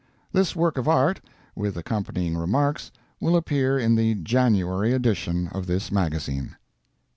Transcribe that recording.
This work of Art, with accompanying remarks, will appear in the January number of this magazine.